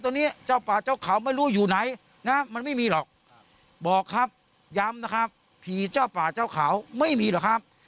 บอกครับย้ำนะครับผีเจ้าป่าเจ้าเขาไม่มีหรอกครับ